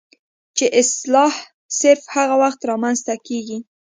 چې اصلاح صرف هغه وخت رامنځته کيږي